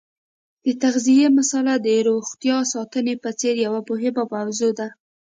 د تغذیې مساله د روغتیا ساتنې په څېر یوه مهمه موضوع ده.